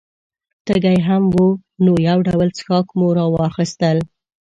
تږي هم وو، نو یو ډول څښاک مو را واخیستل.